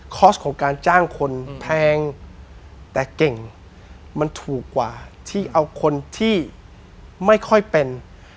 สของการจ้างคนแพงแต่เก่งมันถูกกว่าที่เอาคนที่ไม่ค่อยเป็น